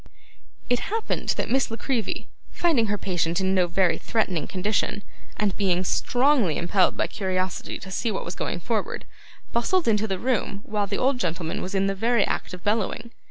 It happened that Miss La Creevy, finding her patient in no very threatening condition, and being strongly impelled by curiosity to see what was going forward, bustled into the room while the old gentleman was in the very act of bellowing.